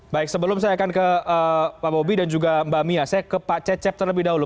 baik sebelum saya akan ke pak bobi dan juga mbak mia saya ke pak cecep terlebih dahulu